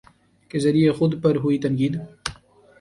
کے ذریعے خود پر ہوئی تنقید